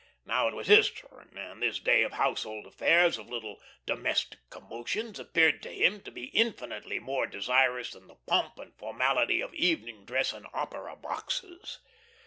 Now it was his turn, and this day of household affairs, of little domestic commotions, appeared to him to be infinitely more desirous than the pomp and formality of evening dress and opera boxes.